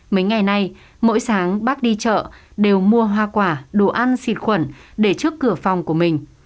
mấy ngày nay mỗi sáng bác đi chợ đều mua hoa quả đồ ăn xịt khuẩn để trước cửa phòng của mình